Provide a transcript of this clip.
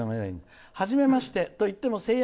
「はじめましてといっても「セイ！